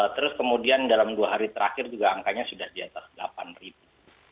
terus kemudian dalam dua hari terakhir juga angkanya sudah di atas delapan ribu